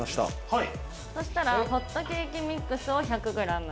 そしたら、ホットケーキミックスを１００グラム。